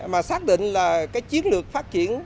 mà xác định là chiến lược phát triển